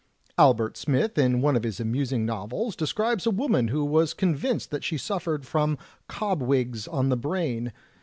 Albert Smith, in one of his amusing novels, describes a woman who was convinced that she suffered from *cobwigs on the brain.'